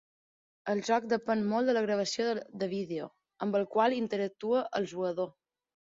El joc depèn molt de la gravació de vídeo, amb el qual interactua el jugador.